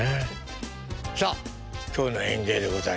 さあ今日の演芸でございます。